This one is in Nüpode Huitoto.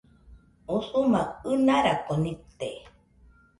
Usuma ɨnarako nite